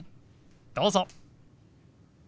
どうぞ。